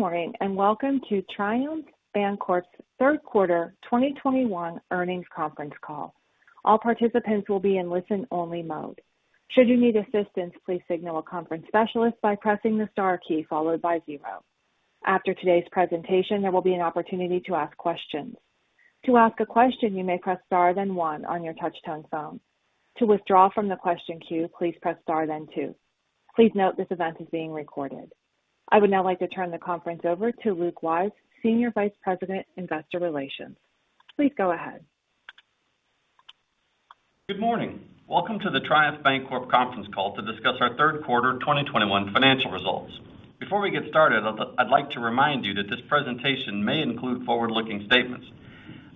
Good morning, welcome to Triumph Bancorp's third quarter 2021 earnings conference call. All participants will be in listen-only mode. Should you need assistance, please signal a conference specialist by pressing the star key followed by zero. After today's presentation, there will be an opportunity to ask questions. To ask a question, you may press star then one on your touch-tone phone. To withdraw from the question queue, please press star then two. Please note this event is being recorded. I would now like to turn the conference over to Luke Wyse, Senior Vice President, Investor Relations. Please go ahead. Good morning. Welcome to the Triumph Bancorp conference call to discuss our third Quarter 2021 financial results. Before we get started, I'd like to remind you that this presentation may include forward-looking statements.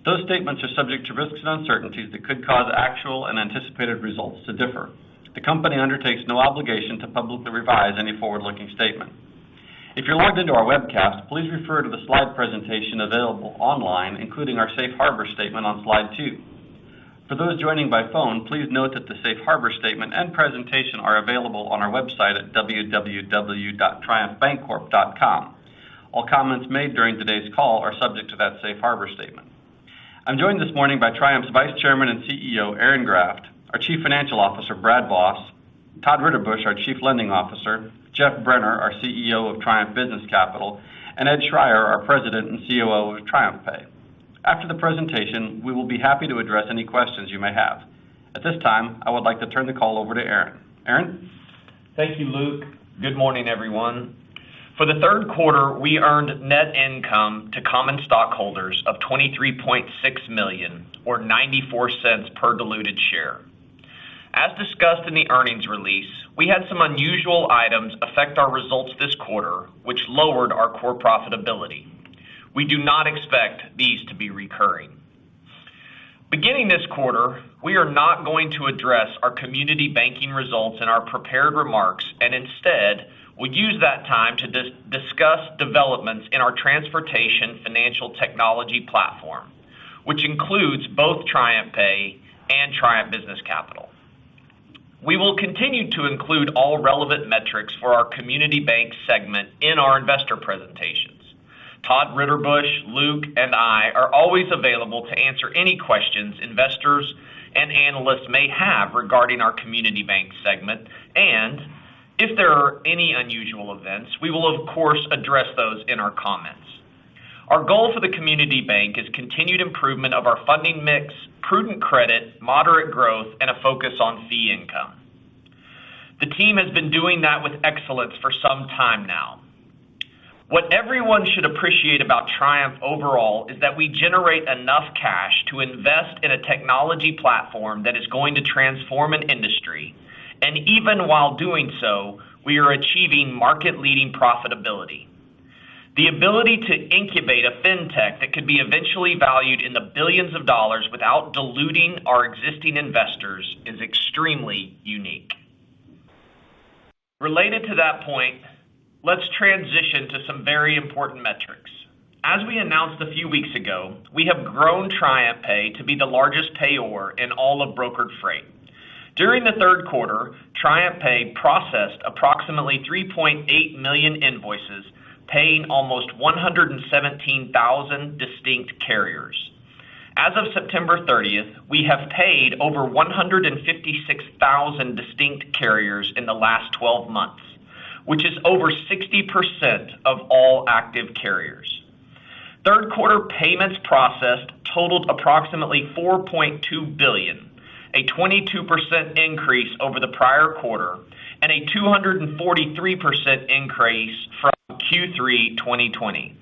Those statements are subject to risks and uncertainties that could cause actual and anticipated results to differ. The company undertakes no obligation to publicly revise any forward-looking statement. If you're logged into our webcast, please refer to the slide presentation available online, including our safe harbor statement on slide two. For those joining by phone, please note that the Safe Harbor statement and presentation are available on our website at www.triumphbancorp.com. All comments made during today's call are subject to that Safe Harbor statement. I'm joined this morning by Triumph's Vice Chairman and CEO, Aaron Graft, our Chief Financial Officer, Brad Voss, Todd Ritterbusch, our Chief Lending Officer, Geoffrey P. Brenner, our CEO of Triumph Business Capital, and Ed Schreyer, our President and COO of TriumphPay. After the presentation, we will be happy to address any questions you may have. At this time, I would like to turn the call over to Aaron. Aaron? Thank you, Luke. Good morning, everyone. For the third quarter, we earned net income to common stockholders of $23.6 million or $0.94 per diluted share. As discussed in the earnings release, we had some unusual items affect our results this quarter, which lowered our core profitability. We do not expect these to be recurring. Beginning this quarter, we are not going to address our community banking results in our prepared remarks, and instead, we use that time to discuss developments in our transportation financial technology platform, which includes both TriumphPay and Triumph Business Capital. We will continue to include all relevant metrics for our community bank segment in our investor presentations. Todd Ritterbusch, Luke, and I are always available to answer any questions investors and analysts may have regarding our Community Bank segment, and if there are any unusual events, we will of course address those in our comments. Our goal for the community bank is continued improvement of our funding mix, prudent credit, moderate growth, and a focus on fee income. The team has been doing that with excellence for some time now. What everyone should appreciate about Triumph overall is that we generate enough cash to invest in a technology platform that is going to transform an industry, and even while doing so, we are achieving market-leading profitability. The ability to incubate a fintech that could be eventually valued in the billions of dollars without diluting our existing investors is extremely unique. Related to that point, let's transition to some very important metrics. As we announced a few weeks ago, we have grown TriumphPay to be the largest payor in all of brokered freight. During the third quarter, TriumphPay processed approximately 3.8 million invoices, paying almost 117,000 distinct carriers. As of September 30th, we have paid over 156,000 distinct carriers in the last 12 months, which is over 60% of all active carriers. Third quarter payments processed totaled approximately $4.2 billion, a 22% increase over the prior quarter and a 243% increase from Q3 2020.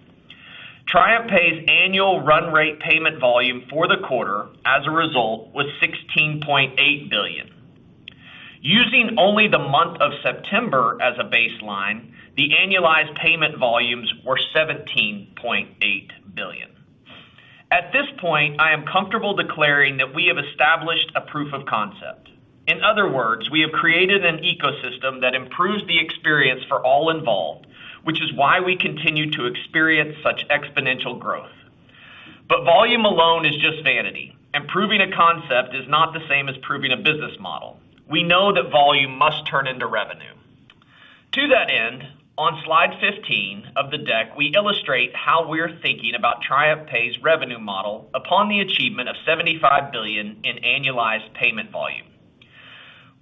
TriumphPay's annual run-rate payment volume for the quarter as a result was $16.8 billion. Using only the month of September as a baseline, the annualized payment volumes were $17.8 billion. At this point, I am comfortable declaring that we have established a proof of concept. In other words, we have created an ecosystem that improves the experience for all involved, which is why we continue to experience such exponential growth. Volume alone is just vanity, and proving a concept is not the same as proving a business model. We know that volume must turn into revenue. To that end, on slide 15 of the deck, we illustrate how we're thinking about TriumphPay's revenue model upon the achievement of $75 billion in annualized payment volume.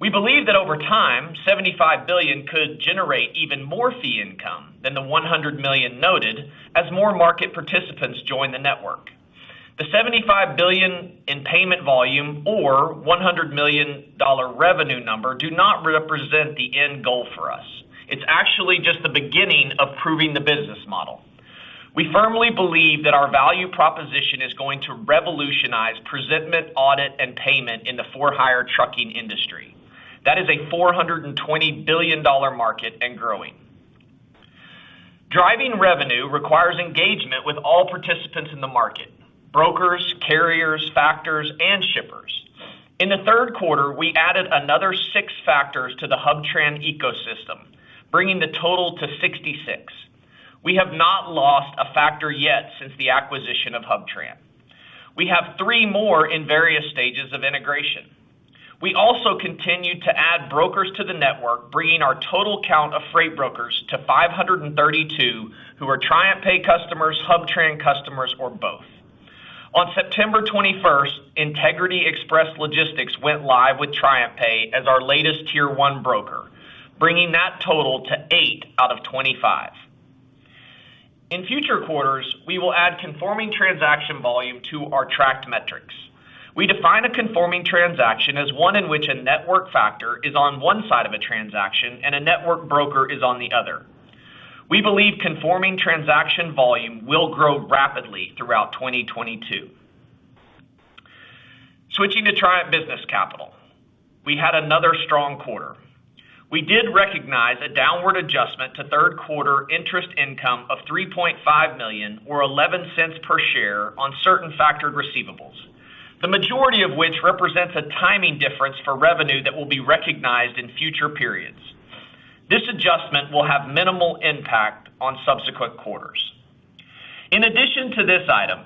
We believe that over time, $75 billion could generate even more fee income than the $100 million noted as more market participants join the network. The $75 billion in payment volume or $100 million revenue number do not represent the end goal for us. It's actually just the beginning of proving the business model. We firmly believe that our value proposition is going to revolutionize presentment, audit, and payment in the for-hire trucking industry. That is a $420 billion market and growing. Driving revenue requires engagement with all participants in the market, brokers, carriers, factors, and shippers. In the third quarter, we added another six factors to the HubTran ecosystem, bringing the total to 66. We have not lost a factor yet since the acquisition of HubTran. We have three more in various stages of integration. We also continued to add brokers to the network, bringing our total count of freight brokers to 532 who are TriumphPay customers, HubTran customers, or both. On September 21st, Integrity Express Logistics went live with TriumphPay as our latest Tier 1 broker, bringing that total to eight out of 25. In future quarters, we will add conforming transaction volume to our tracked metrics. We define a conforming transaction as one in which a network factor is on one side of a transaction and a network broker is on the other. We believe conforming transaction volume will grow rapidly throughout 2022. Switching to Triumph Business Capital, we had another strong quarter. We did recognize a downward adjustment to third quarter interest income of $3.5 million or $0.11 per share on certain factored receivables, the majority of which represents a timing difference for revenue that will be recognized in future periods. This adjustment will have minimal impact on subsequent quarters. In addition to this item,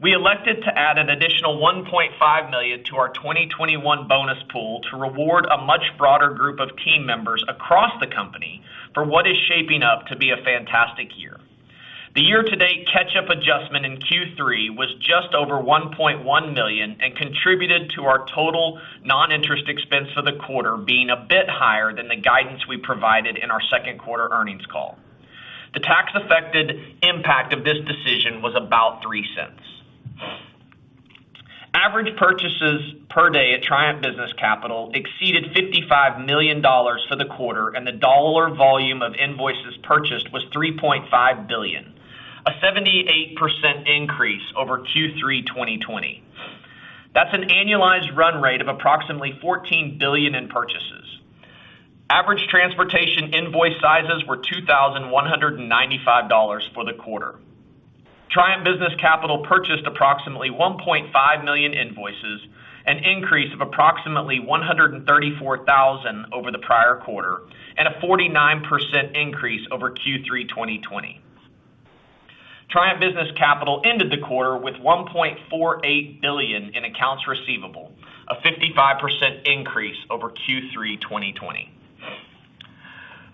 we elected to add an additional $1.5 million to our 2021 bonus pool to reward a much broader group of team members across the company for what is shaping up to be a fantastic year. The year-to-date catch-up adjustment in Q3 was just over $1.1 million and contributed to our total non-interest expense for the quarter being a bit higher than the guidance we provided in our second quarter earnings call. The tax-affected impact of this decision was about $0.03. Average purchases per day at Triumph Business Capital exceeded $55 million for the quarter, and the dollar volume of invoices purchased was $3.5 billion, a 78% increase over Q3 2020. That's an annualized run-rate of approximately $14 billion in purchases. Average transportation invoice sizes were $2,195 for the quarter. Triumph Business Capital purchased approximately 1.5 million invoices, an increase of approximately 134,000 over the prior quarter, and a 49% increase over Q3 2020. Triumph Business Capital ended the quarter with $1.48 billion in accounts receivable, a 55% increase over Q3 2020.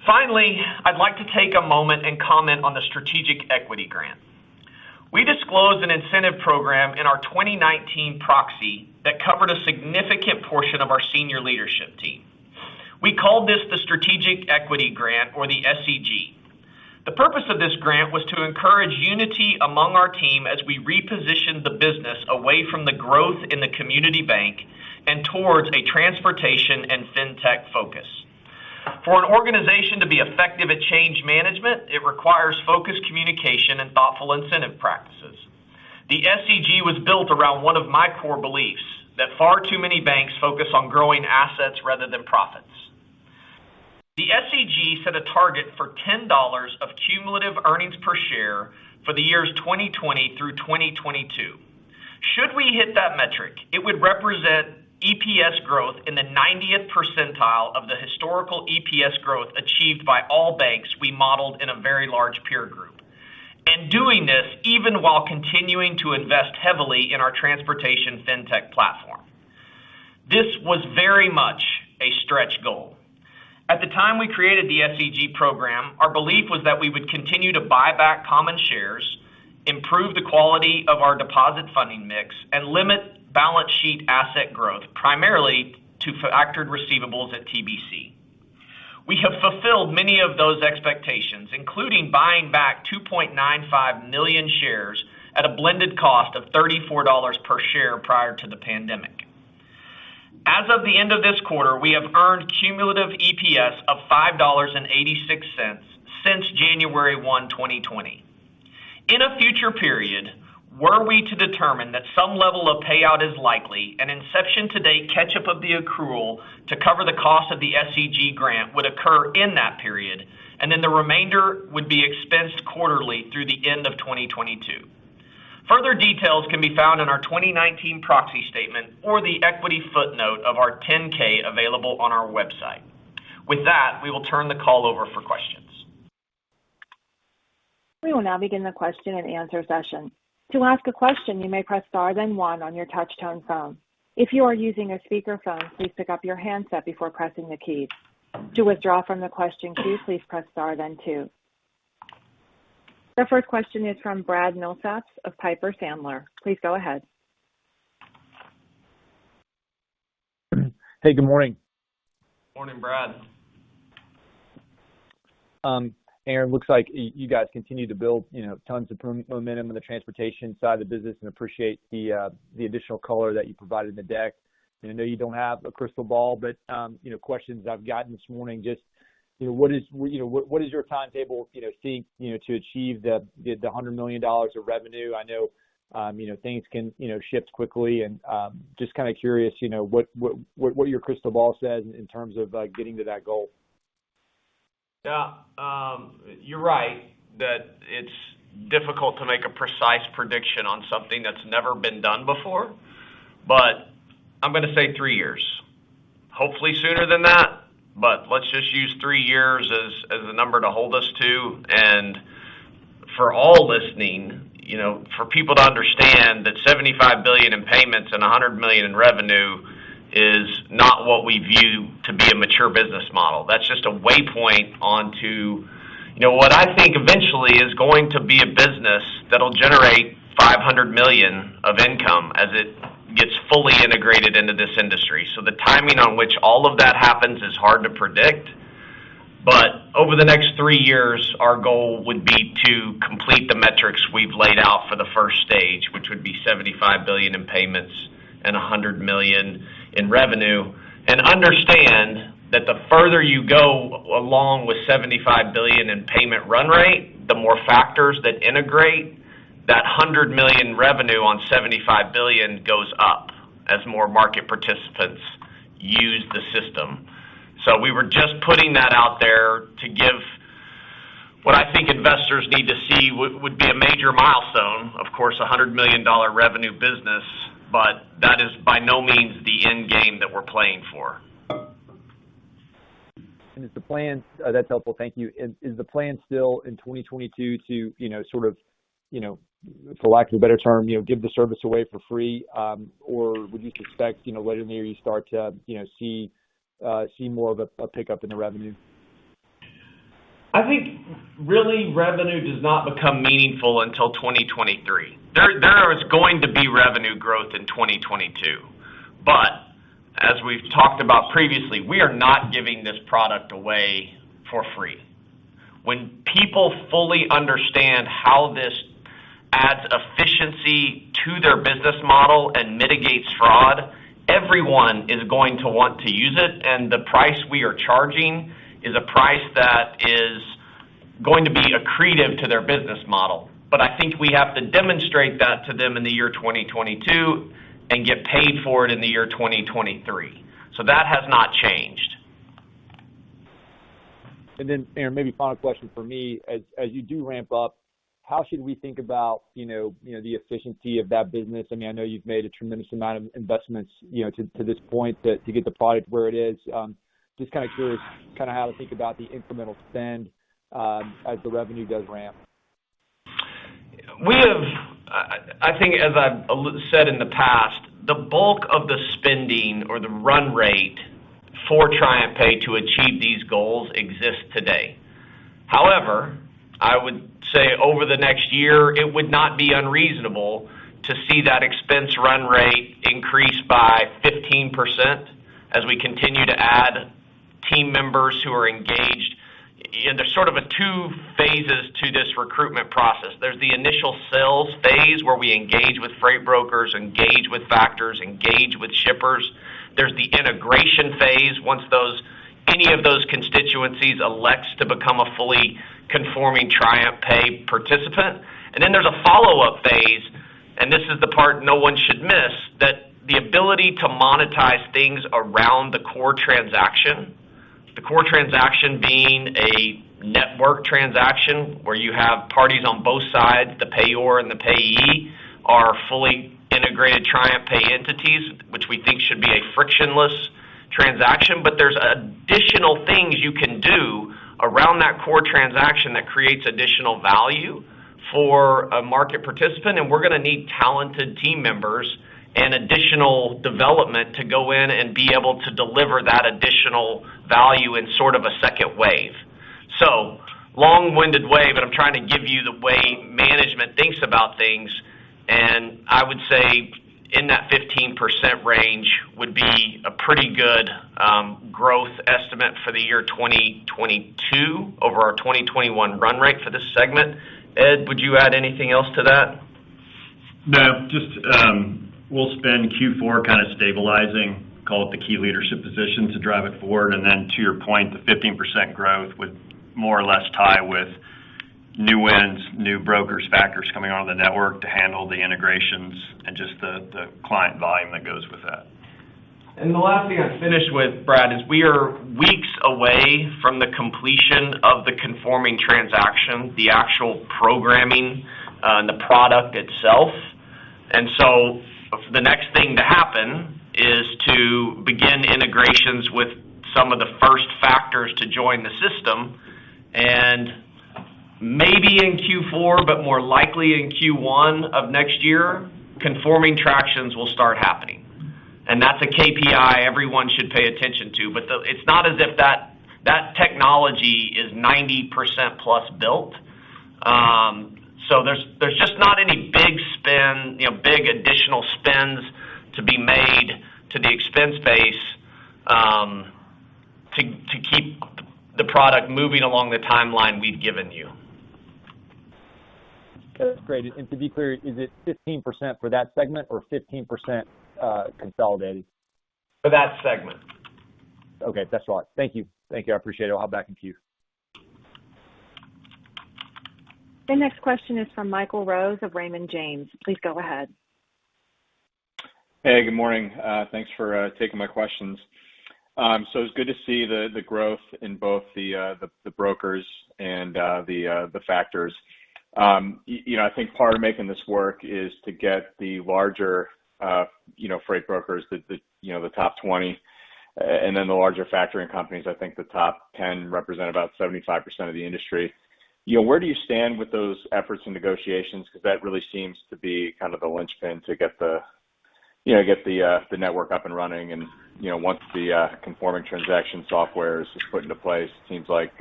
Finally, I'd like to take a moment and comment on the Strategic Equity Grant. We disclosed an incentive program in our 2019 proxy that covered a significant portion of our Senior Leadership team. We called this the Strategic Equity Grant, or the SEG. The purpose of this grant was to encourage unity among our team as we repositioned the business away from the growth in the community bank and towards a transportation and fintech focus. For an organization to be effective at change management, it requires focused communication and thoughtful incentive practices. The SEG was built around one of my core beliefs, that far too many banks focus on growing assets rather than profits. The SEG set a target for $10 of cumulative earnings per share for the years 2020 through 2022. Should we hit that metric, it would represent EPS growth in the 90th percentile of the historical EPS growth achieved by all banks we modeled in a very large peer group. Doing this, even while continuing to invest heavily in our transportation fintech platform. This was very much a stretch goal. At the time we created the SEG program, our belief was that we would continue to buy back common shares, improve the quality of our deposit funding mix, and limit balance sheet asset growth, primarily to factored receivables at TBC. We have fulfilled many of those expectations, including buying back 2.95 million shares at a blended cost of $34 per share prior to the pandemic. As of the end of this quarter, we have earned cumulative EPS of $5.86 since January 1, 2020. In a future period, were we to determine that some level of payout is likely, an inception-to-date catch-up of the accrual to cover the cost of the SEG grant would occur in that period, and the remainder would be expensed quarterly through the end of 2022. Further details can be found in our 2019 proxy statement or the equity footnote of our 10-K available on our website. With that, we will turn the call over for questions. We will now begin the question-and-answer session. To ask a question you may press star then one on your touch-tone phone. If you are using a speakerphone please pick up the handset before pressing the keys. To withdraw from the question queue you may press star then two. The first question is from Brad Milsaps of Piper Sandler. Please go ahead. Hey, good morning. Morning, Brad. Aaron, looks like you guys continue to build tons of momentum on the transportation side of the business and appreciate the additional color that you provided in the deck. I know you don't have a crystal ball, but questions I've gotten this morning, just what is your timetable seek to achieve the $100 million of revenue? I know things can shift quickly, and just kind of curious what your crystal ball says in terms of getting to that goal? Yeah. You're right that it's difficult to make a precise prediction on something that's never been done before, but I'm going to say three years. Hopefully sooner than that, but let's just use three years as the number to hold us to. For all listening, for people to understand that $75 billion in payments and $100 million in revenue is not what we view to be a mature business model. That's just a way point on to what I think eventually is going to be a business that'll generate $500 million of income as it gets fully integrated into this industry. The timing on which all of that happens is hard to predict, but over the next three years, our goal would be to complete the metrics we've laid out for the first stage, which would be $75 billion in payments and $100 million in revenue. Understand that the further you go along with $75 billion in payment run rate, the more factors that integrate, that $100 million revenue on $75 billion goes up as more market participants use the system. We were just putting that out there to give what I think investors need to see would be a major milestone, of course, a $100 million revenue business. That is by no means the end game that we're playing for. That's helpful. Thank you. Is the plan still in 2022 to, for lack of a better term, give the service away for free? Would you expect later in the year you start to see more of a pickup in the revenue? I think really revenue does not become meaningful until 2023. There is going to be revenue growth in 2022. As we've talked about previously, we are not giving this product away for free. When people fully understand how this adds efficiency to their business model and mitigates fraud, everyone is going to want to use it, and the price we are charging is a price that is going to be accretive to their business model. I think we have to demonstrate that to them in the year 2022 and get paid for it in the year 2023. That has not changed. Aaron, maybe final question from me, as you do ramp-up, how should we think about the efficiency of that business? I know you've made a tremendous amount of investments to this point to get the product where it is. Just curious how to think about the incremental spend as the revenue does ramp. I think as I've said in the past, the bulk of the spending or the run-rate for TriumphPay to achieve these goals exists today. However, I would say over the next year, it would not be unreasonable to see that expense run-rate increase by 15% as we continue to add team members who are engaged. There's sort of a two phases to this recruitment process. There's the initial sales phase, where we engage with freight brokers, engage with factors, engage with shippers. There's the integration phase, once any of those constituencies elects to become a fully conforming TriumphPay participant. Then there's a follow-up phase, and this is the part no one should miss, that the ability to monetize things around the core transaction, the core transaction being a network transaction where you have parties on both sides, the payor and the payee, are fully integrated TriumphPay entities, which we think should be a frictionless transaction. There's additional things you can do around that core transaction that creates additional value for a market participant, and we're going to need talented team members and additional development to go in and be able to deliver that additional value in sort of a second wave. Long-winded way, but I'm trying to give you the way management thinks about things, and I would say in that 15% range would be a pretty good growth estimate for the year 2022 over our 2021 run-rate for this segment. Ed, would you add anything else to that? No, just we'll spend Q4 stabilizing, call it the key leadership position to drive it forward. To your point, the 15% growth would more or less tie with new wins, new brokers, factors coming onto the network to handle the integrations and just the client volume that goes with that. The last thing I'd finish with, Brad, is we are weeks away from the completion of the conforming transaction, the actual programming and the product itself. The next thing to happen is to begin integrations with some of the first factors to join the system. Maybe in Q4, but more likely in Q1 of next year, conforming transactions will start happening. That's a KPI everyone should pay attention to. It's not as if that technology is 90%+ built. There's just not any big additional spends to be made to the expense base to keep the product moving along the timeline we've given you. That's great. To be clear, is it 15% for that segment or 15% consolidated? For that segment. Okay, that's all. Thank you. I appreciate it. I'll hop back in queue. The next question is from Michael Rose of Raymond James. Please go ahead. Hey, good morning. Thanks for taking my questions. It was good to see the growth in both the brokers and the factors. I think part of making this work is to get the larger freight brokers, the top 20. The larger factoring companies, I think the top 10 represent about 75% of the industry. Where do you stand with those efforts and negotiations? Because that really seems to be the linchpin to get the network up and running and, once the conforming transaction software is put into place, it seems like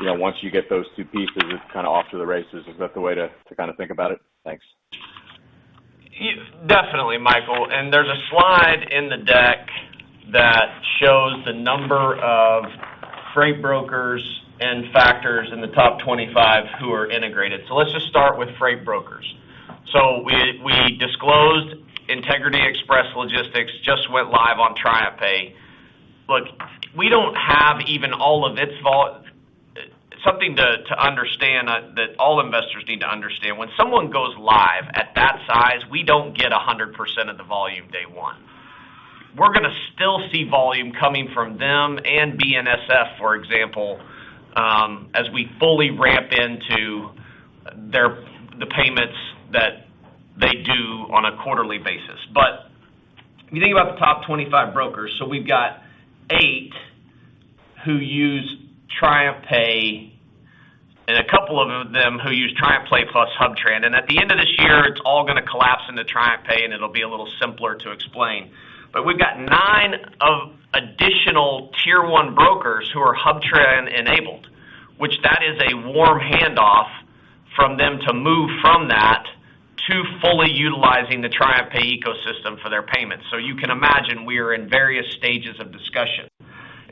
once you get those two pieces, it's off to the races. Is that the way to think about it? Thanks. Definitely, Michael. There's a slide in the deck that shows the number of freight brokers and factors in the top 25 who are integrated. Let's just start with freight brokers. We disclosed Integrity Express Logistics just went live on TriumphPay. Something to understand, that all investors need to understand, when someone goes live at that size, we don't get 100% of the volume day one. We're going to still see volume coming from them and BNSF, for example, as we fully ramp into the payments that they do on a quarterly basis. If you think about the top 25 brokers, we've got eight who use TriumphPay, and a couple of them who use TriumphPay plus HubTran. At the end of this year, it's all going to collapse into TriumphPay, and it'll be a little simpler to explain. We've got nine additional Tier 1 brokers who are HubTran enabled, which that is a warm handoff from them to move from that to fully utilizing the TriumphPay ecosystem for their payments. You can imagine we are in various stages of discussion.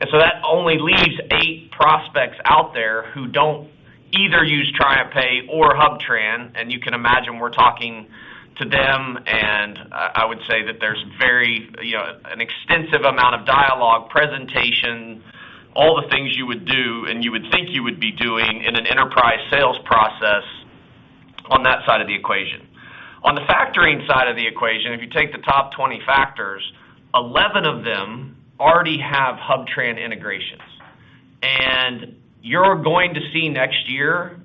That only leaves eight prospects out there who don't either use TriumphPay or HubTran, and you can imagine we're talking to them and I would say that there's an extensive amount of dialogue, presentation, all the things you would do and you would think you would be doing in an enterprise sales process on that side of the equation. On the factoring side of the equation, if you take the top 20 factors, 11 of them already have HubTran integrations. You're going to see next year,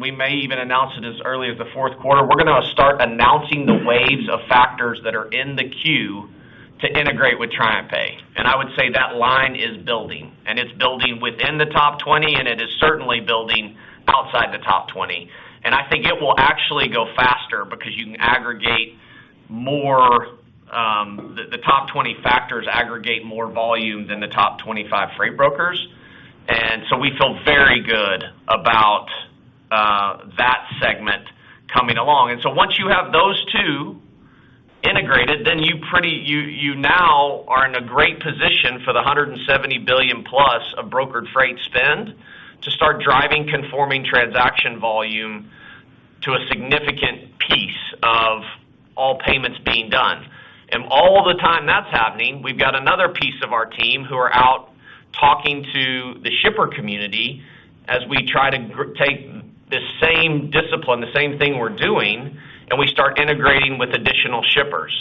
we may even announce it as early as the fourth quarter, we're going to start announcing the waves of factors that are in the queue to integrate with TriumphPay. I would say that line is building. It's building within the top 20, and it is certainly building outside the top 20. I think it will actually go faster because the top 20 factors aggregate more volume than the top 25 freight brokers. We feel very good about that segment coming along. Once you have those two integrated, you now are in a great position for the $170 billion-plus of brokered freight spend to start driving conforming transaction volume to a significant piece of all payments being done. All the time that's happening, we've got another piece of our team who are out talking to the shipper community as we try to take the same discipline, the same thing we're doing, and we start integrating with additional shippers.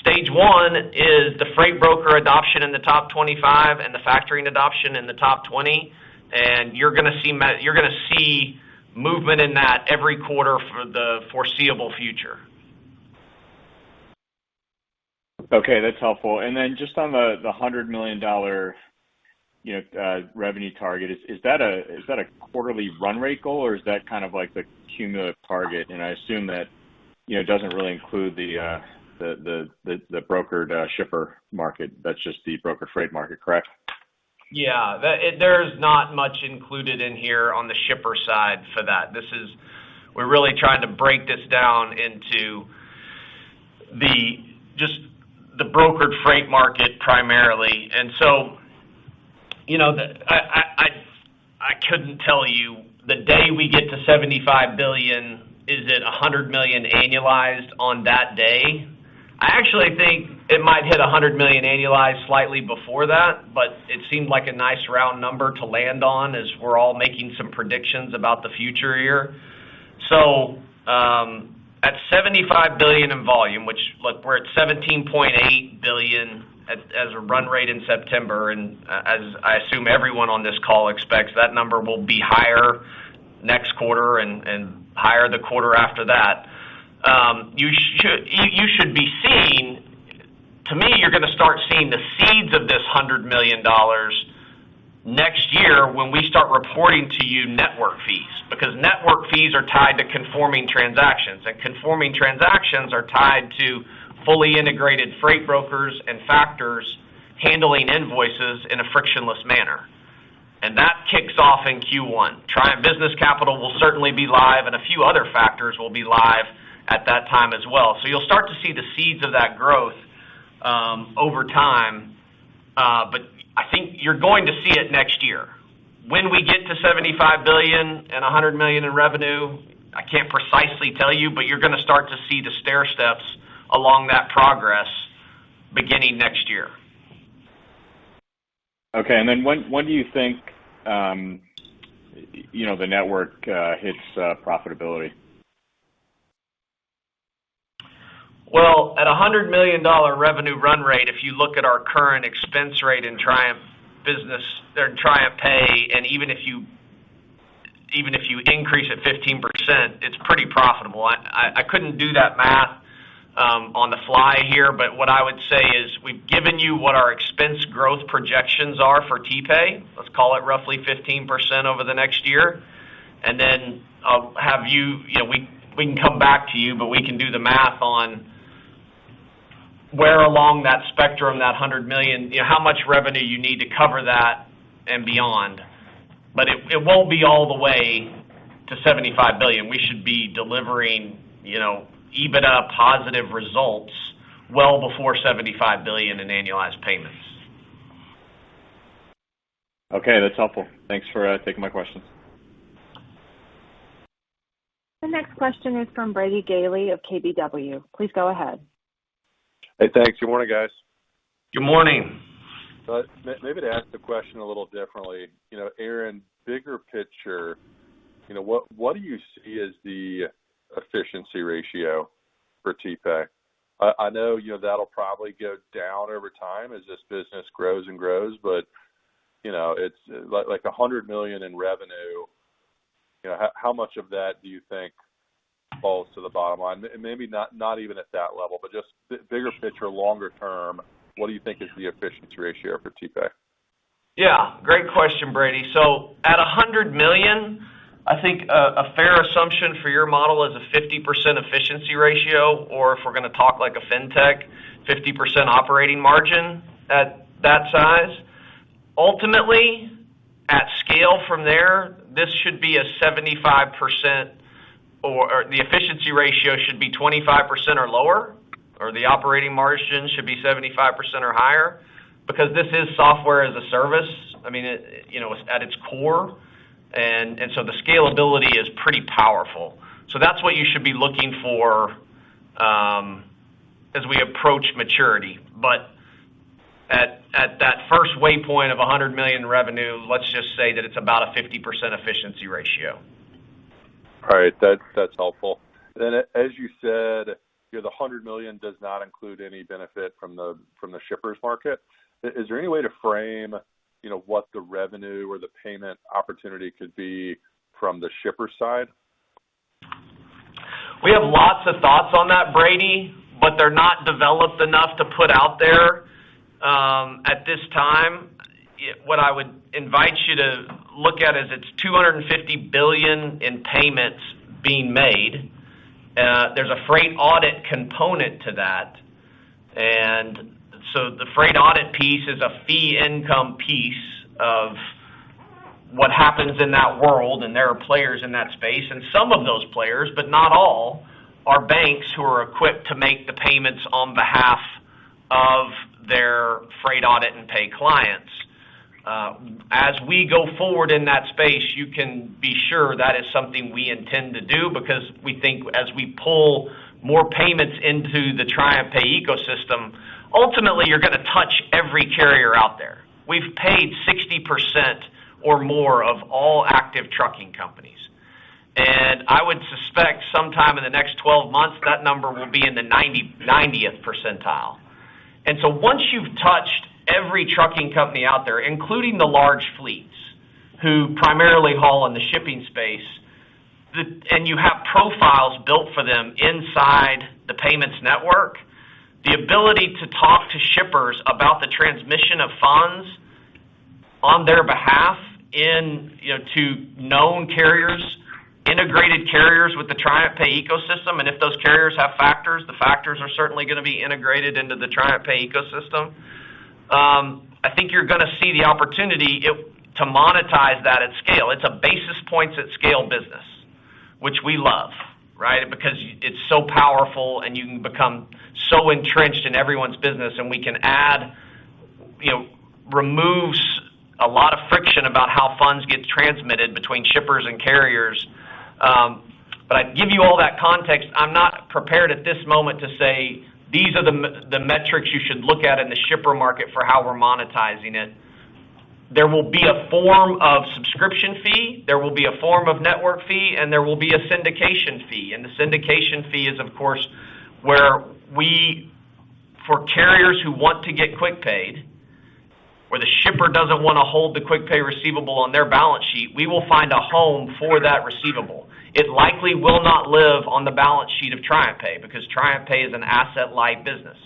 Stage 1 is the freight broker adoption in the top 25 and the factoring adoption in the top 20, and you're going to see movement in that every quarter for the foreseeable future. Okay, that's helpful. Then just on the $100 million revenue target, is that a quarterly run-rate goal, or is that the cumulative target? I assume that it doesn't really include the brokered shipper market, that's just the broker freight market, correct? There's not much included in here on the shipper side for that. We're really trying to break this down into just the brokered freight market primarily. I couldn't tell you the day we get to $75 billion, is it $100 million annualized on that day? I actually think it might hit $100 million annualized slightly before that, but it seemed like a nice round number to land on as we're all making some predictions about the future here. At $75 billion in volume, which, look, we're at $17.8 billion as a run-rate in September, and as I assume everyone on this call expects, that number will be higher next quarter and higher the quarter after that. To me, you're going to start seeing the seeds of this $100 million next year when we start reporting to you network fees. Network fees are tied to conforming transactions, and conforming transactions are tied to fully integrated freight brokers and factors handling invoices in a frictionless manner. That kicks off in Q1. Triumph Business Capital will certainly be live, and a few other factors will be live at that time as well. You'll start to see the seeds of that growth over time, but I think you're going to see it next year. When we get to $75 billion and $100 million in revenue, I can't precisely tell you, but you're going to start to see the stairsteps along that progress beginning next year. Okay, when do you think the network hits profitability? Well, at $100 million revenue run-rate, if you look at our current expense rate in TriumphPay, and even if you increas it at 15%, it's pretty profitable. I couldn't do that math on the fly here but what I would say is we've given you what our expense growth projections are for TPay, let's call it roughly 15% over the next year. We can come back to you, we can do the math on where along that spectrum, that $100 million, how much revenue you need to cover that and beyond. It won't be all the way to $75 billion. We should be delivering EBITDA positive results well before $75 billion in annualized payments. Okay, that's helpful. Thanks for taking my questions. The next question is from Brady Gailey of KBW. Please go ahead. Hey, thanks. Good morning, guys. Good morning. Maybe to ask the question a little differently. Aaron, bigger picture, what do you see as the efficiency ratio for TPay? I know that'll probably go down over time as this business grows and grows, but like $100 million in revenue, how much of that do you think falls to the bottom line? Maybe not even at that level, but just bigger picture, longer term, what do you think is the efficiency ratio for TPay? Yeah, great question, Brady. At $100 million, I think a fair assumption for your model is a 50% efficiency ratio, or if we're going to talk like a fintech, 50% operating margin at that size. Ultimately, at scale from there, this should be a 75% or the efficiency ratio should be 25% or lower, or the operating margin should be 75% or higher, because this is Software as a Service at its core, the scalability is pretty powerful. That's what you should be looking for as we approach maturity. At that first waypoint of $100 million revenue, let's just say that it's about a 50% efficiency ratio. All right. That's helpful. As you said, the $100 million does not include any benefit from the shippers market. Is there any way to frame what the revenue or the payment opportunity could be from the shipper side? We have lots of thoughts on that, Brady, they're not developed enough to put out there at this time. What I would invite you to look at is it's $250 billion in payments being made. There's a freight audit component to that, the freight audit piece is a fee income piece of what happens in that world, there are players in that space, some of those players, but not all, are banks who are equipped to make the payments on behalf of their freight audit and pay clients. As we go forward in that space, you can be sure that is something we intend to do because we think as we pull more payments into the TriumphPay ecosystem, ultimately, you're going to touch every carrier out there. We've paid 60% or more of all active trucking companies. I would suspect sometime in the next 12 months, that number will be in the 90th percentile. Once you've touched every trucking company out there, including the large fleets who primarily haul in the shipping space, and you have profiles built for them inside the payments network, the ability to talk to shippers about the transmission of funds on their behalf to known carriers, integrated carriers with the TriumphPay ecosystem, and if those carriers have factors, the factors are certainly going to be integrated into the TriumphPay ecosystem. I think you're going to see the opportunity to monetize that at scale. It's a basis points at scale business, which we love because it's so powerful and you can become so entrenched in everyone's business, and we can add, removes a lot of friction about how funds get transmitted between shippers and carriers. I'd give you all that context. I'm not prepared at this moment to say these are the metrics you should look at in the shipper market for how we're monetizing it. There will be a form of subscription fee, there will be a form of network fee, and there will be a syndication fee, and the syndication fee is, of course, where for carriers who want to get quick paid, where the shipper doesn't want to hold the quick pay receivable on their balance sheet, we will find a home for that receivable. It likely will not live on the balance sheet of TriumphPay because TriumphPay is an asset-light business.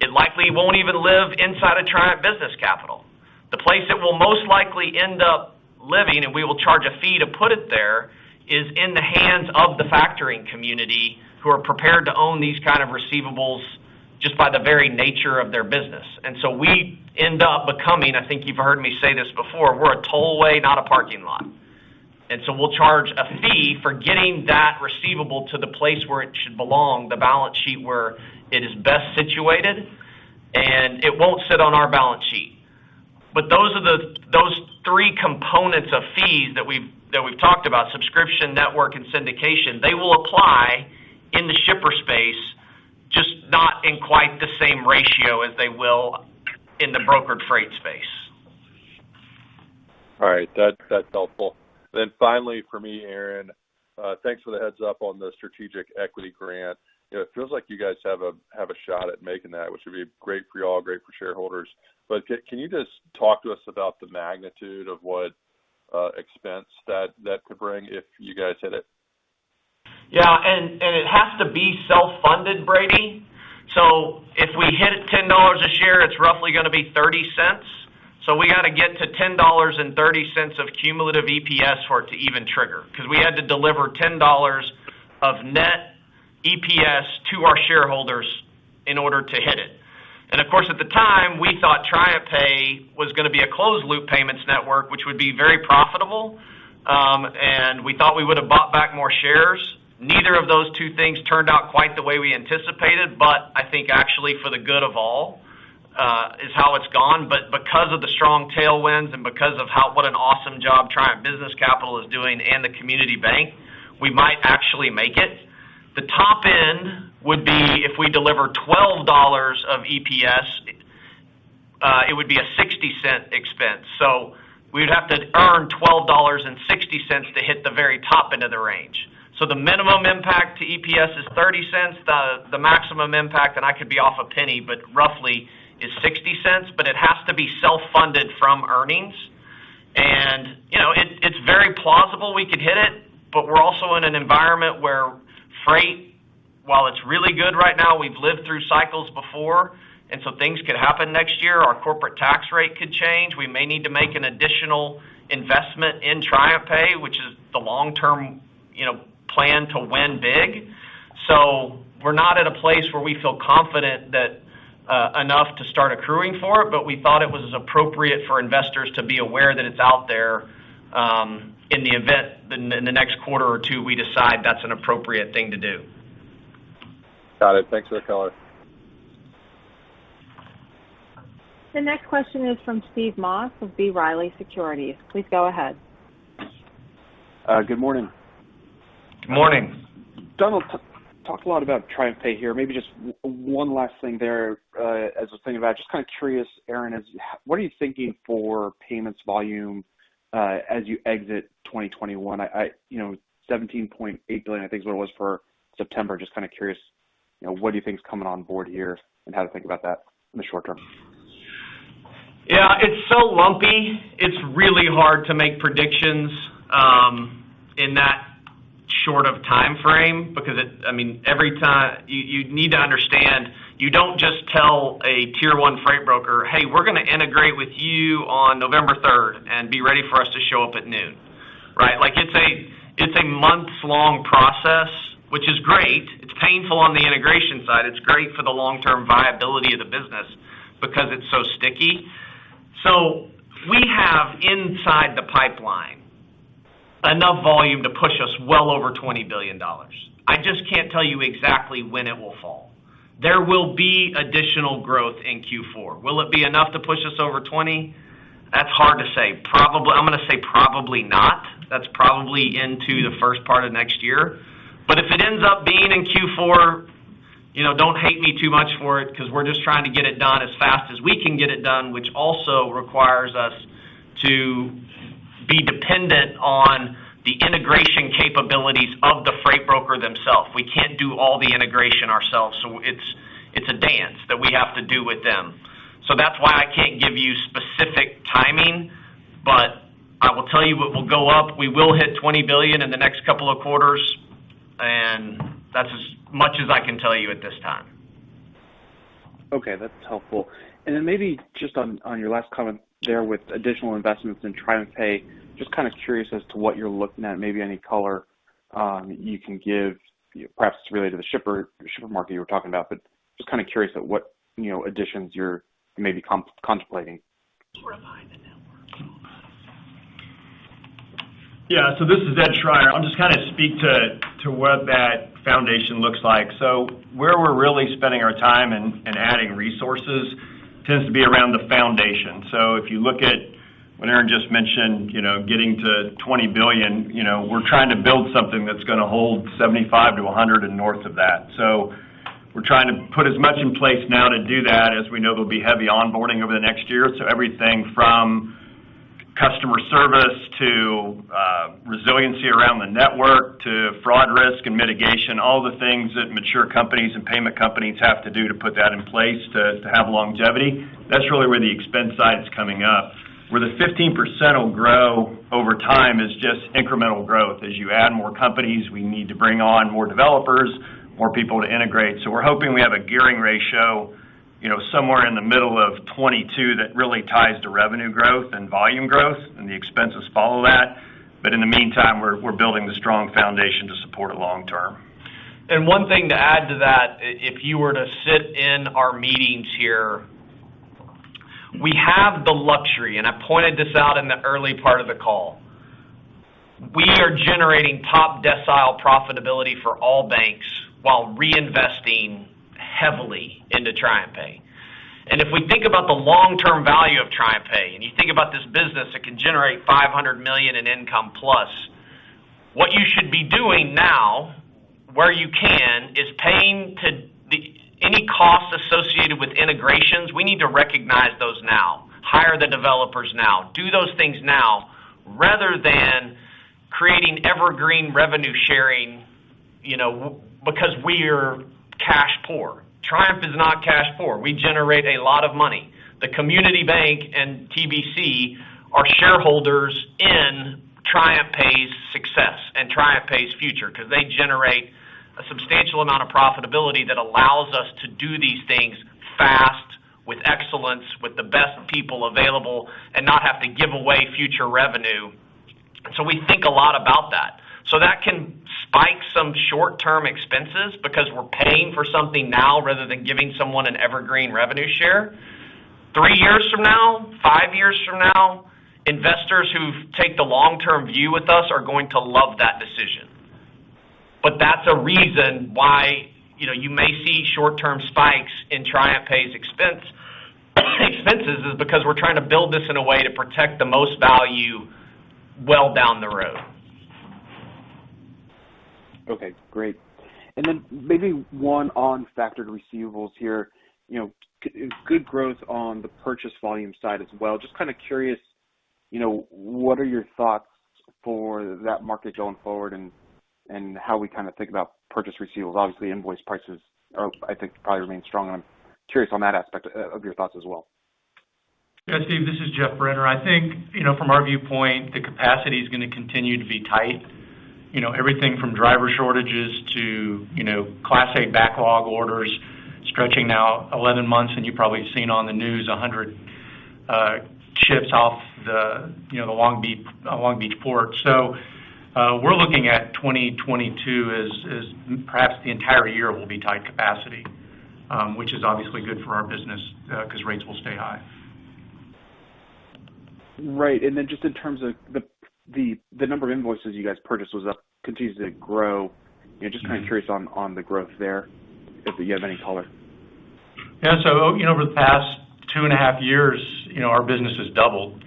It likely won't even live inside of Triumph Business Capital. The place it will most likely end up living, and we will charge a fee to put it there, is in the hands of the factoring community who are prepared to own these kind of receivables just by the very nature of their business. We end up becoming, I think you've heard me say this before, we're a tollway, not a parking lot. We'll charge a fee for getting that receivable to the place where it should belong, the balance sheet where it is best situated, and it won't sit on our balance sheet. Those three components of fees that we've talked about, subscription, network, and syndication, they will apply in the shipper space, just not in quite the same ratio as they will in the brokered freight space. All right. That's helpful. Finally for me, Aaron, thanks for the heads up on the Strategic Equity Grant. It feels like you guys have a shot at making that, which would be great for you all, great for shareholders. Can you just talk to us about the magnitude of what expense that could bring if you guys hit it? It has to be self-funded, Brady. If we hit $10 a share, it's roughly going to be $0.30. We got to get to $10.30 of cumulative EPS for it to even trigger. We had to deliver $10 of net EPS to our shareholders in order to hit it. Of course, at the time, we thought TriumphPay was going to be a closed loop payments network, which would be very profitable. We thought we would have bought back more shares. Neither of those two things turned out quite the way we anticipated, but I think actually for the good of all, is how it's gone. Because of the strong tailwinds and because of what an awesome job Triumph Business Capital is doing and the Community Bank, we might actually make it. The top end would be if we deliver $12 of EPS, it would be a $0.60 expense. We'd have to earn $12.60 to hit the very top end of the range. The minimum impact to EPS is $0.30. The maximum impact, I could be off $0.01, roughly is $0.60. It has to be self-funded from earnings. It's very plausible we could hit it, we're also in an environment where freight, while it's really good right now, we've lived through cycles before, things could happen next year. Our corporate tax rate could change. We may need to make an additional investment in TriumphPay, which is the long-term plan to win big. We're not at a place where we feel confident enough to start accruing for it, but we thought it was appropriate for investors to be aware that it's out there in the event that in the next quarter or two, we decide that's an appropriate thing to do. Got it. Thanks for the color. The next question is from Steve Moss of B. Riley Securities. Please go ahead. Good morning. Morning. [You] talked a lot about TriumphPay here. Maybe just one last thing there, as I was thinking about it, just curious, Aaron, what are you thinking for payments volume as you exit 2021? $17.8 billion, I think is what it was for September. Just curious, what do you think is coming on board here and how to think about that in the short term? It's so lumpy. It's really hard to make predictions in that short of timeframe because you need to understand, you don't just tell a Tier 1 freight broker, hey, we're going to integrate with you on November 3rd, and be ready for us to show up at noon. Right. It's a months-long process, which is great. It's painful on the integration side. It's great for the long-term viability of the business because it's so sticky. We have inside the pipeline enough volume to push us well over $20 billion. I just can't tell you exactly when it will fall. There will be additional growth in Q4. Will it be enough to push us over $20 billion? That's hard to say. I'm going to say probably not. That's probably into the first part of next year. If it ends up being in Q4, don't hate me too much for it because we're just trying to get it done as fast as we can get it done, which also requires us to be dependent on the integration capabilities of the freight broker themselves. We can't do all the integration ourselves, so it's a dance that we have to do with them. That's why I can't give you specific timing, but I will tell you it will go up. We will hit $20 billion in the next couple of quarters, and that's as much as I can tell you at this time. Okay, that's helpful. Then maybe just on your last comment there with additional investments in TriumphPay, just curious as to what you're looking at, maybe any color you can give, perhaps it's related to the shipper market you were talking about, but just curious at what additions you're maybe contemplating. This is Ed Schreyer. I'll just speak to what that foundation looks like. Where we're really spending our time and adding resources tends to be around the foundation. If you look at what Aaron just mentioned, getting to $20 billion, we're trying to build something that's going to hold $75 billion-$100 billion and north of that. We're trying to put as much in place now to do that as we know there'll be heavy onboarding over the next year. Everything from customer service to resiliency around the network to fraud risk and mitigation, all the things that mature companies and payment companies have to do to put that in place to have longevity. That's really where the expense side is coming up. Where the 15% will grow over time is just incremental growth. As you add more companies, we need to bring on more developers, more people to integrate. We're hoping we have a gearing ratio somewhere in the middle of 2022 that really ties to revenue growth and volume growth, and the expenses follow that. In the meantime, we're building the strong foundation to support it long term. One thing to add to that, if you were to sit in our meetings here, we have the luxury, and I pointed this out in the early part of the call. We are generating top decile profitability for all banks while reinvesting heavily into TriumphPay. If we think about the long-term value of TriumphPay, and you think about this business that can generate $500 million in income plus, what you should be doing now, where you can, is paying any costs associated with integrations, we need to recognize those now, hire the developers now. Do those things now rather than creating evergreen revenue sharing because we're cash poor. Triumph is not cash poor. We generate a lot of money. The Community Bank and TBC are shareholders in TriumphPay's success and TriumphPay's future, because they generate a substantial amount of profitability that allows us to do these things fast, with excellence, with the best people available, and not have to give away future revenue. We think a lot about that. That can spike some short-term expenses because we're paying for something now rather than giving someone an evergreen revenue share. Three years from now, five years from now, investors who take the long-term view with us are going to love that decision. That's a reason why you may see short-term spikes in TriumphPay's expenses, is because we're trying to build this in a way to protect the most value well down the road. Okay, great. Then maybe one on factored receivables here. Good growth on the purchase volume side as well. Just curious, what are your thoughts for that market going forward and how we think about purchase receivables? Obviously, invoice prices, I think, probably remain strong, and I'm curious on that aspect of your thoughts as well. Yeah, Steve, this is Geoff Brenner. I think from our viewpoint, the capacity is going to continue to be tight. Everything from driver shortages to Class 8 backlog orders stretching now 11 months, and you've probably seen on the news 100 ships off the Long Beach Port. We're looking at 2022 as perhaps the entire year will be tight capacity, which is obviously good for our business because rates will stay high. Right. Just in terms of the number of invoices you guys purchased was up, continues to grow. Just curious on the growth there, if you have any color. Yeah. Over the past two and a half years, our business has doubled,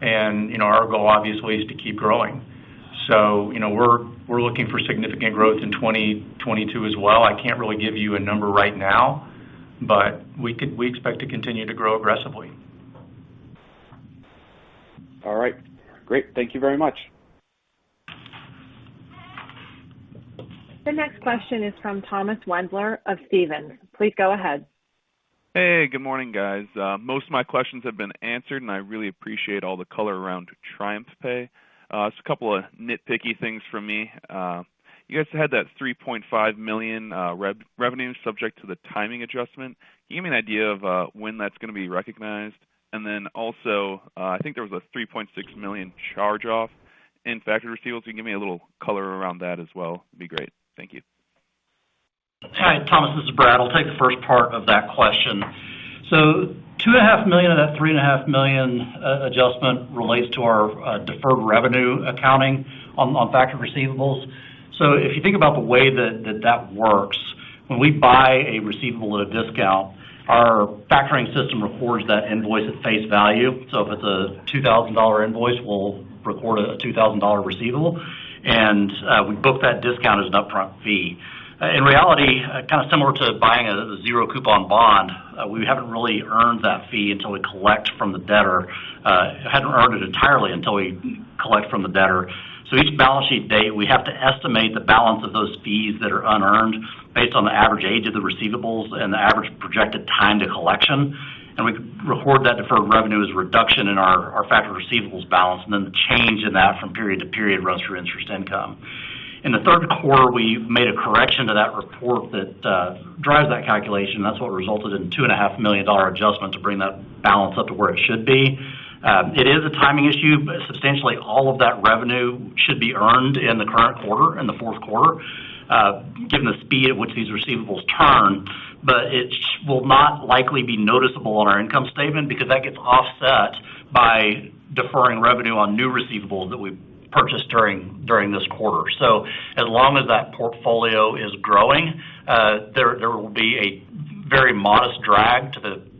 and our goal, obviously, is to keep growing. We're looking for significant growth in 2022 as well. I can't really give you a number right now, but we expect to continue to grow aggressively. All right. Great. Thank you very much. The next question is from Thomas Wendler of Stephens. Please go ahead. Hey, good morning, guys. Most of my questions have been answered, and I really appreciate all the color around TriumphPay. Just a couple of nitpicky things from me. You guys had that $3.5 million revenue subject to the timing adjustment. Can you give me an idea of when that's going to be recognized? I think there was a $3.6 million charge-off in factor receivables. Can you give me a little color around that as well? It'd be great. Thank you. Hi, Thomas. This is Brad. I'll take the first part of that question. $2.5 million of that $3.5 million adjustment relates to our deferred revenue accounting on factored receivables. If you think about the way that that works, when we buy a receivable at a discount, our factoring system records that invoice at face value. If it's a $2,000 invoice, we'll record a $2,000 receivable, and we book that discount as an upfront fee. In reality, kind of similar to buying a zero-coupon bond, we haven't really earned that fee until we collect from the debtor. We haven't earned it entirely until we collect from the debtor. Each balance sheet date, we have to estimate the balance of those fees that are unearned based on the average age of the receivables and the average projected time to collection. We record that deferred revenue as a reduction in our factored receivables balance, and then the change in that from period-to-period runs for interest income. In the third quarter, we made a correction to that report that drives that calculation. That's what resulted in a $2.5 million adjustment to bring that balance up to where it should be. It is a timing issue, but substantially all of that revenue should be earned in the current quarter, in the fourth quarter given the speed at which these receivables turn. It will not likely be noticeable on our income statement because that gets offset by deferring revenue on new receivables that we purchased during this quarter. As long as that portfolio is growing, there will be a very modest drag to the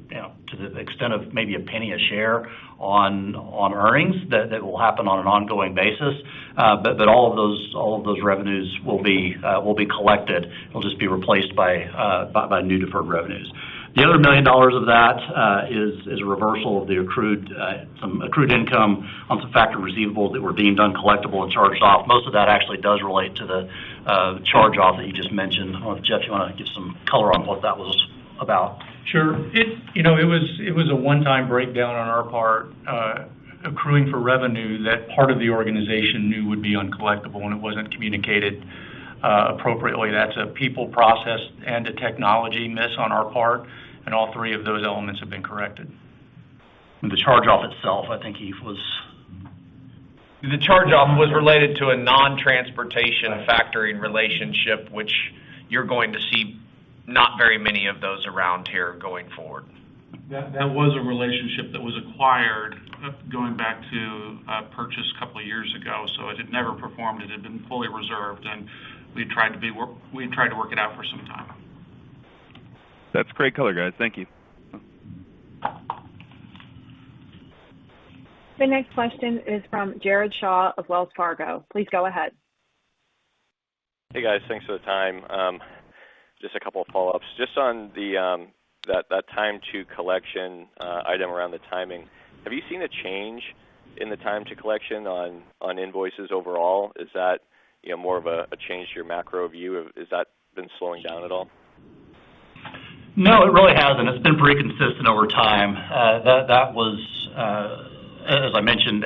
extent of maybe $0.01 a share on earnings that will happen on an ongoing basis. All of those revenues will be collected. It'll just be replaced by new deferred revenues. The other million dollar of that is a reversal of some accrued income on some factor receivables that were deemed uncollectible and charged off. Most of that actually does relate to the charge-off that you just mentioned. I don't know if, Geoff, you want to give some color on what that was about. Sure. It was a one-time breakdown on our part accruing for revenue that part of the organization knew would be uncollectible, and it wasn't communicated appropriately. That's a people process and a technology miss on our part, and all three of those elements have been corrected. The charge-off itself, I think it was. The charge-off was related to a non-transportation factoring relationship, which you're going to see not very many of those around here going forward. That was a relationship that was acquired going back to a purchase a couple of years ago. It had never performed. It had been fully reserved, and we had tried to work it out for some time. That's great color, guys. Thank you. The next question is from Jared Shaw of Wells Fargo. Please go ahead. Hey, guys. Thanks for the time. Just a couple of follow-ups. Just on that time to collection item around the timing, have you seen a change in the time to collection on invoices overall? Is that more of a change to your macro view? Has that been slowing down at all? No, it really hasn't. It's been pretty consistent over time. That was, as I mentioned,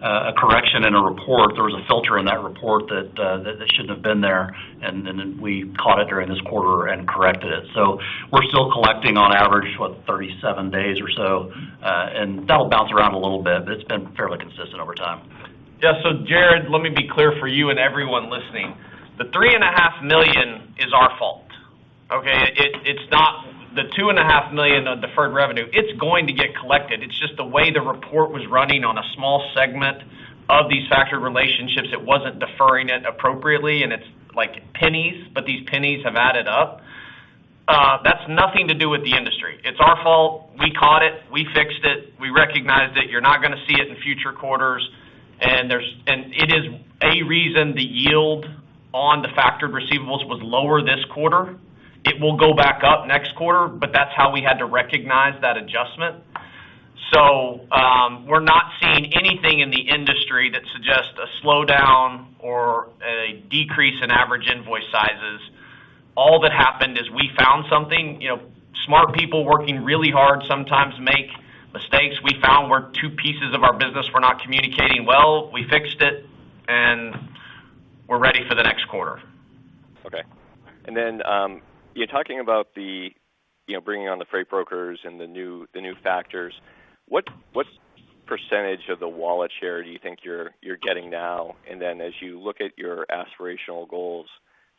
a correction in a report. There was a filter in that report that shouldn't have been there, and then we caught it during this quarter and corrected it. We're still collecting on average, what? 37 days or so. That'll bounce around a little bit, but it's been fairly consistent over time. Yeah. Jared, let me be clear for you and everyone listening. The $3.5 million is our fault. Okay. The $2.5 million of deferred revenue, it's going to get collected. It's just the way the report was running on a small segment of these factor relationships. It wasn't deferring it appropriately, and it's like pennies, but these pennies have added up. That's nothing to do with the industry. It's our fault. We caught it. We fixed it. We recognized it. You're not going to see it in future quarters. It is a reason the yield on the factored receivables was lower this quarter. It will go back up next quarter, but that's how we had to recognize that adjustment. We're not seeing anything in the industry that suggests a slowdown or a decrease in average invoice sizes. All that happened is we found something. Smart people working really hard sometimes make mistakes. We found where two pieces of our business were not communicating well. We fixed it, and we're ready for the next quarter. Okay. You're talking about bringing on the freight brokers and the new factors. What percentage of the wallet share do you think you're getting now? As you look at your aspirational goals,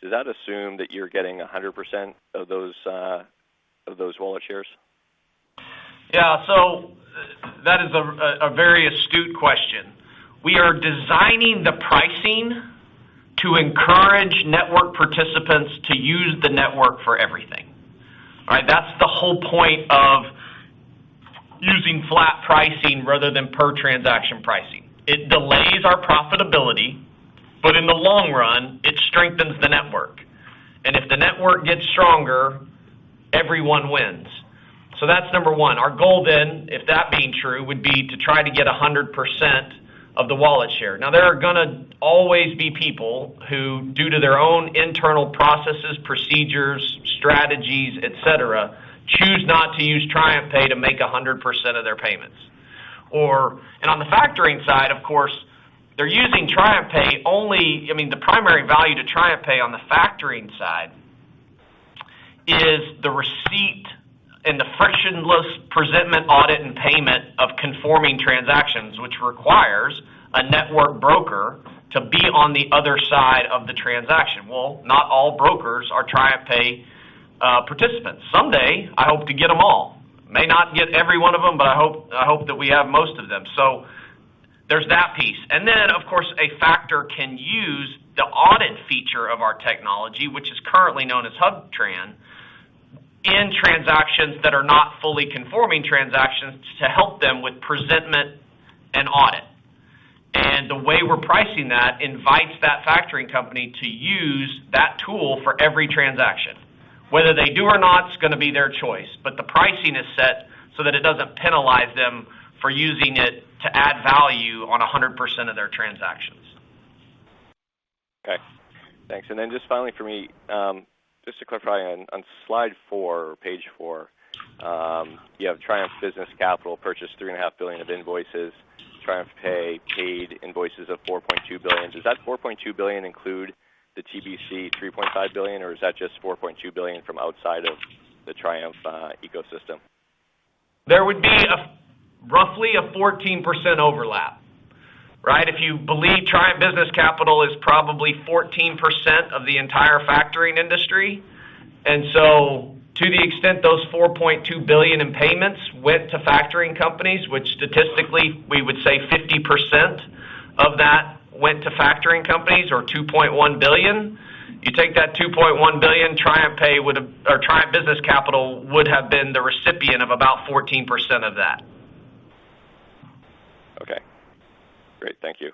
does that assume that you're getting 100% of those wallet shares? That is a very astute question. We are designing the pricing to encourage network participants to use the network for everything. All right? That's the whole point of using flat pricing rather than per transaction pricing. It delays our profitability, but in the long run, it strengthens the network. If the network gets stronger, everyone wins. That's number one. Our goal then, if that being true, would be to try to get 100% of the wallet share. Now, there are going to always be people who, due to their own internal processes, procedures, strategies, et cetera, choose not to use TriumphPay to make 100% of their payments. On the factoring side, of course, they're using TriumphPay only. I mean, the primary value to TriumphPay on the factoring side is the receipt and the frictionless presentment audit and payment of conforming transactions, which requires a network broker to be on the other side of the transaction. Not all brokers are TriumphPay participants. Someday, I hope to get them all. May not get every one of them, but I hope that we have most of them. There's that piece. Then, of course, a factor can use the audit feature of our technology, which is currently known as HubTran, in transactions that are not fully conforming transactions to help them with presentment and audit. The way we're pricing that invites that factoring company to use that tool for every transaction. Whether they do or not, it's going to be their choice, but the pricing is set so that it doesn't penalize them for using it to add value on 100% of their transactions. Okay, thanks. Just finally for me, just to clarify on slide four or page four, you have Triumph Business Capital purchased $3.5 billion of invoices, TriumphPay paid invoices of $4.2 billion. Does that $4.2 billion include the TBC $3.5 billion, or is that just $4.2 billion from outside of the Triumph ecosystem? There would be roughly a 14% overlap, right? If you believe Triumph Business Capital is probably 14% of the entire factoring industry. To the extent those $4.2 billion in payments went to factoring companies, which statistically we would say 50% of that went to factoring companies or $2.1 billion. You take that $2.1 billion, Triumph Business Capital would have been the recipient of about 14% of that. Okay, great. Thank you.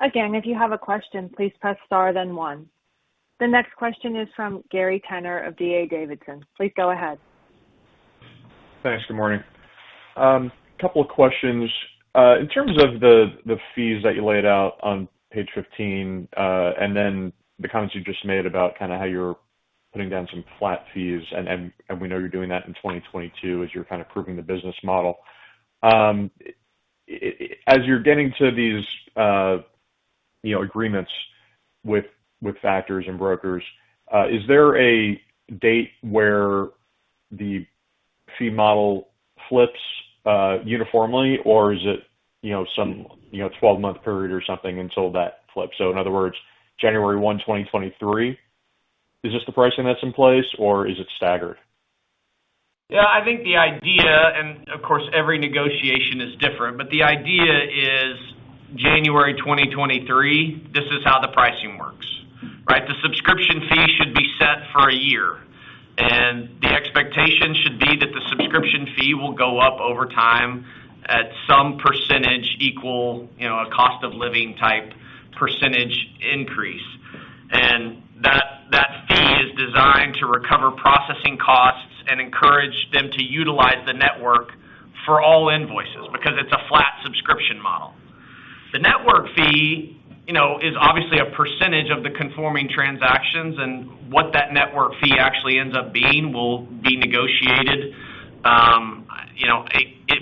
Again, if you have a question, please press star then one. The next question is from Gary Tenner of D.A. Davidson. Please go ahead. Thanks. Good morning. Couple of questions. In terms of the fees that you laid out on page 15, and then the comments you just made about kind of how you're putting down some flat fees, and we know you're doing that in 2022 as you're kind of proving the business model. As you're getting to these agreements with factors and brokers, is there a date where the fee model flips uniformly, or is it some 12-month period or something until that flips? In other words, January 1, 2023, is this the pricing that's in place, or is it staggered? Yeah, I think the idea, and of course, every negotiation is different, but the idea is January 2023, this is how the pricing works, right? The subscription fee should be set for a year, and the expectation should be that the subscription fee will go up over time at some percentage equal, a cost of living type percentage increase. That fee is designed to recover processing costs and encourage them to utilize the network for all invoices, because The network fee is obviously a percentage of the conforming transactions, and what that network fee actually ends up being will be negotiated.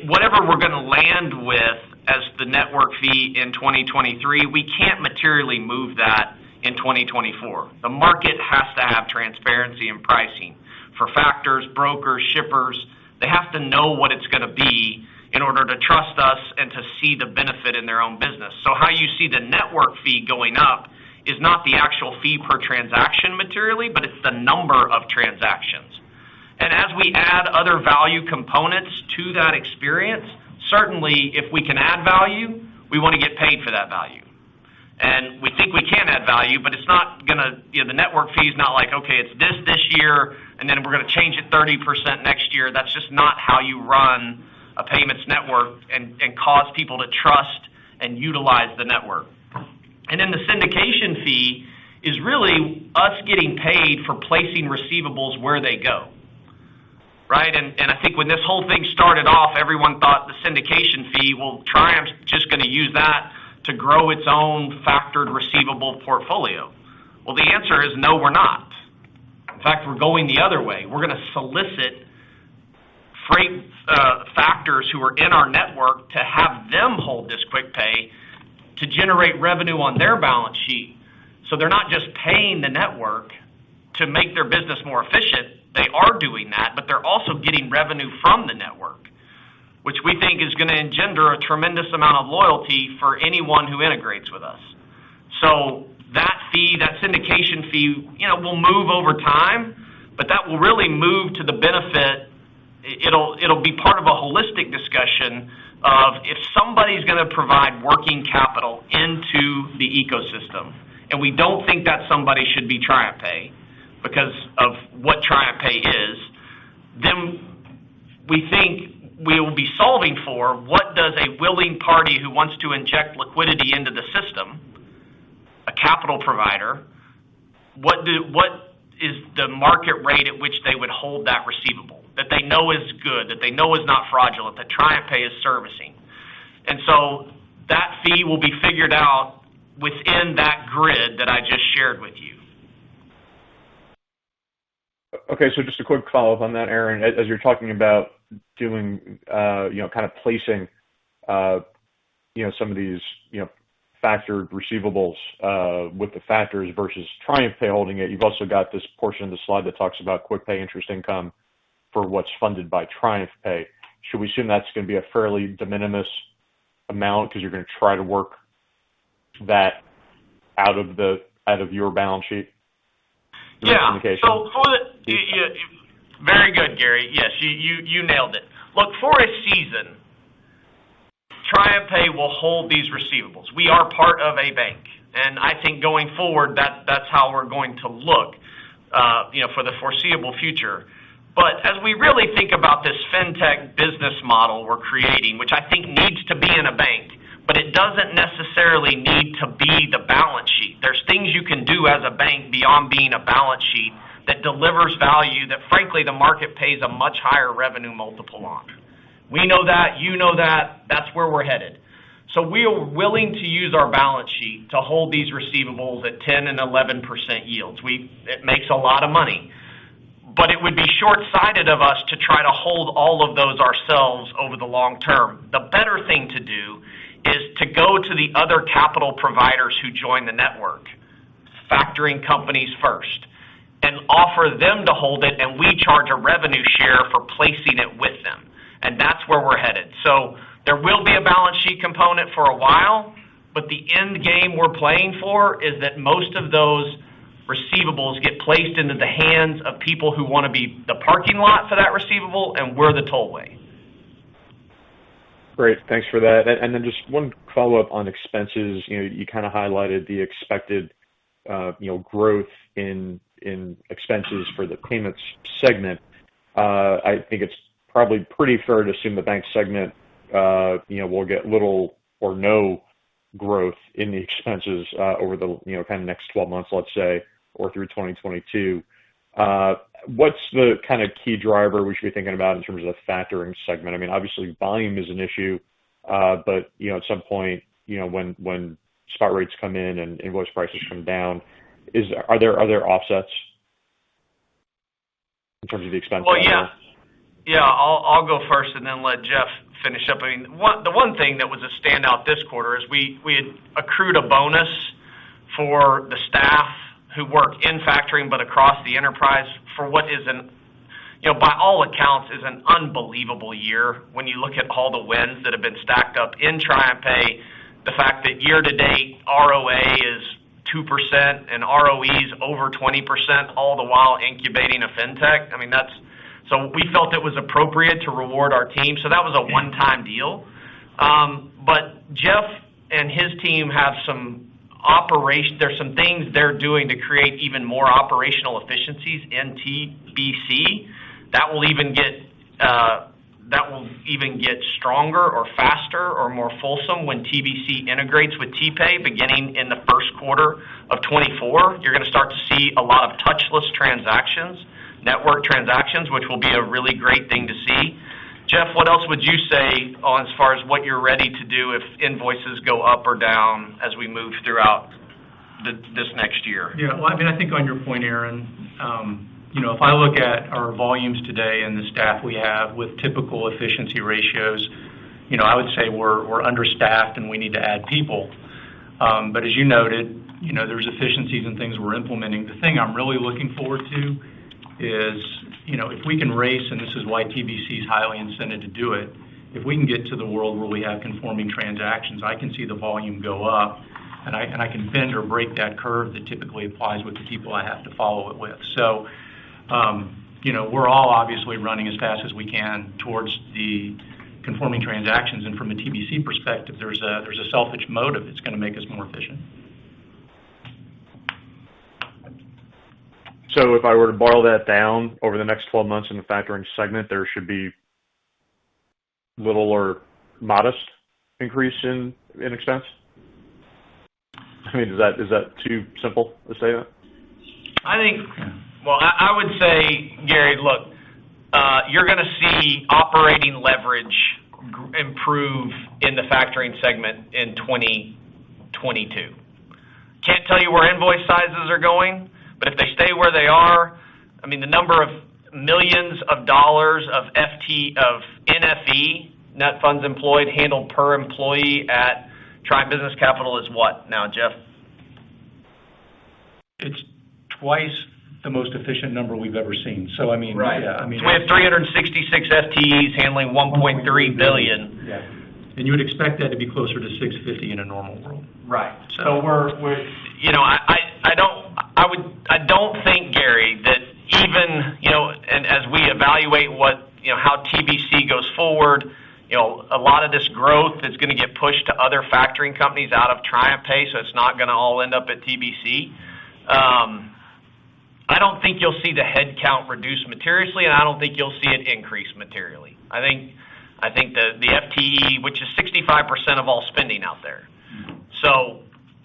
Whatever we're going to land with as the network fee in 2023, we can't materially move that in 2024. The market has to have transparency in pricing. For factors, brokers, shippers, they have to know what it's going to be in order to trust us and to see the benefit in their own business. How you see the network fee going up is not the actual fee per transaction materially, but it's the number of transactions. As we add other value components to that experience, certainly if we can add value, we want to get paid for that value. We think we can add value, but the network fee is not like, okay, it's this this year, and then we're going to change it 30% next year. That's just not how you run a payments network and cause people to trust and utilize the network. The syndication fee is really us getting paid for placing receivables where they go. Right? I think when this whole thing started off, everyone thought the syndication fee, well, Triumph's just going to use that to grow its own factored receivable portfolio. The answer is no, we're not. In fact, we're going the other way. We're going to solicit freight factors who are in our network to have them hold this QuickPay to generate revenue on their balance sheet. They're not just paying the network to make their business more efficient. They are doing that, but they're also getting revenue from the network, which we think is going to engender a tremendous amount of loyalty for anyone who integrates with us. That fee, that syndication fee will move over time, but that will really move to the benefit. It'll be part of a holistic discussion of if somebody's going to provide working capital into the ecosystem, we don't think that somebody should be TriumphPay because of what TriumphPay is, then we think we will be solving for what does a willing party who wants to inject liquidity into the system, a capital provider, what is the market rate at which they would hold that receivable that they know is good, that they know is not fraudulent, that TriumphPay is servicing? That fee will be figured out within that grid that I just shared with you. Okay. Just a quick follow-up on that, Aaron. As you're talking about kind of placing some of these factored receivables with the factors versus TriumphPay holding it, you've also got this portion of the slide that talks about QuickPay interest income for what's funded by TriumphPay. Should we assume that's going to be a fairly de minimis amount because you're going to try to work that out of your balance sheet? Yeah. The syndication fees. Very good, Gary. Yes. You nailed it. Look, for a season, TriumphPay will hold these receivables. We are part of a bank. I think going forward, that's how we're going to look for the foreseeable future. As we really think about this fintech business model we're creating, which I think needs to be in a bank, it doesn't necessarily need to be the balance sheet. There's things you can do as a bank beyond being a balance sheet that delivers value that frankly, the market pays a much higher revenue multiple on. We know that, you know that. That's where we're headed. We are willing to use our balance sheet to hold these receivables at 10% and 11% yields. It makes a lot of money. It would be shortsighted of us to try to hold all of those ourselves over the long term. The better thing to do is to go to the other capital providers who join the network, factoring companies first, and offer them to hold it, and we charge a revenue share for placing it with them. That's where we're headed. There will be a balance sheet component for a while, but the end game we're playing for is that most of those receivables get placed into the hands of people who want to be the parking lot for that receivable, and we're the tollway. Great. Thanks for that. Just one follow-up on expenses. You kind of highlighted the expected growth in expenses for the payments segment. I think it's probably pretty fair to assume the bank segment will get little or no growth in the expenses over the kind of next 12 months, let's say, or through 2022. What's the kind of key driver we should be thinking about in terms of the factoring segment? I mean, obviously volume is an issue, but at some point, when spot rates come in and invoice prices come down, are there offsets in terms of the expense? Yeah. I'll go first and then let Geoff finish up. I mean, the one thing that was a standout this quarter is we had accrued a bonus for the staff who work in factoring, but across the enterprise for what, by all accounts, is an unbelievable year when you look at all the wins that have been stacked up in TriumphPay. The fact that year-to-date, ROA is 2% and ROE is over 20%, all the while incubating a fintech. We felt it was appropriate to reward our team. That was a one-time deal. Geoff and his team have some things they're doing to create even more operational efficiencies in TBC that will even get stronger or faster or more fulsome when TBC integrates with TPay beginning in the first quarter of 2024. You're going to start to see a lot of touchless transactions, network transactions, which will be a really great thing to see. Geoff, what else would you say as far as what you're ready to do if invoices go up or down as we move throughout this next year? I think on your point, Aaron, if I look at our volumes today and the staff we have with typical efficiency ratios, I would say we're understaffed and we need to add people. As you noted, there's efficiencies and things we're implementing. The thing I'm really looking forward to is if we can race, and this is why TBC is highly incented to do it, if we can get to the world where we have conforming transactions, I can see the volume go up, and I can bend or break that curve that typically applies with the people I have to follow it with. We're all obviously running as fast as we can towards the conforming transactions, and from a TBC perspective, there's a selfish motive that's going to make us more efficient. If I were to boil that down, over the next 12 months in the Factoring segment, there should be little or modest increase in expense? I mean, is that too simple to say that? I would say, Gary, look, you're going to see operating leverage improve in the Factoring segment in 2022. Can't tell you where invoice sizes are going, but if they stay where they are, the number of millions of dollars of NFE, net funds employed, handled per employee at Triumph Business Capital is what now, Geoff? It's twice the most efficient number we've ever seen. Right. We have 366 FTEs handling $1.3 billion. Yeah. You would expect that to be closer to $650 million in a normal world. Right. I don't think, Gary, that even as we evaluate how TBC goes forward, a lot of this growth is going to get pushed to other factoring companies out of TriumphPay, so it's not going to all end up at TBC. I don't think you'll see the headcount reduce materially, and I don't think you'll see it increase materially. I think the FTE, which is 65% of all spending out there.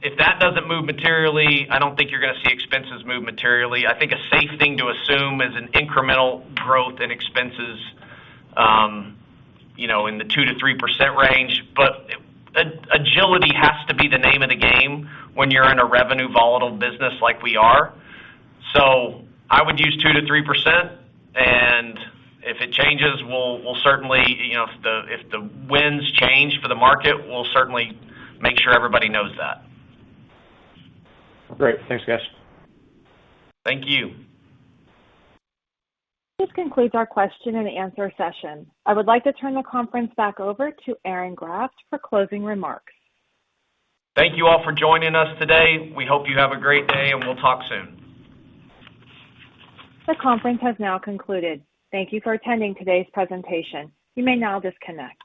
If that doesn't move materially, I don't think you're going to see expenses move materially. I think a safe thing to assume is an incremental growth in expenses in the 2%-3% range. Agility has to be the name of the game when you're in a revenue volatile business like we are. I would use 2%-3%, and if it changes, if the winds change for the market, we'll certainly make sure everybody knows that. Great. Thanks, guys. Thank you. This concludes our question-and-answer session. I would like to turn the conference back over to Aaron Graft for closing remarks. Thank you all for joining us today. We hope you have a great day, and we'll talk soon. The conference has now concluded. Thank you for attending today's presentation. You may now disconnect.